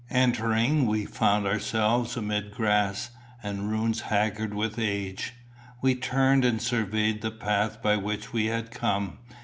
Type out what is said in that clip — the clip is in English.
Entering, we found ourselves amidst grass, and ruins haggard with age. We turned and surveyed the path by which we had come.